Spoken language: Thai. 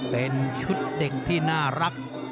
เป็นชุดเด็กที่น่ารัก